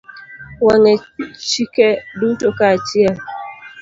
Wang'e chike duto kaachiel.